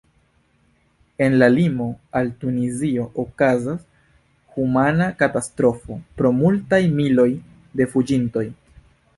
En la limo al Tunizio okazas humana katastrofo pro multaj miloj de fuĝintoj.